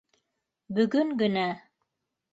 Бөгөн генә!..